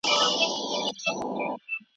انار ګل د ارغنداو پر بګړۍ سپور سو